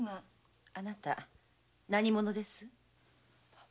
あなた何者です？は？